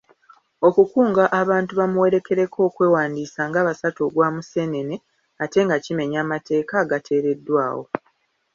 Okukunga abantu bamuwerekereko okwewandiisa nga basatu ogwa musenene ate nga kimenya amateeka agateereddwawo.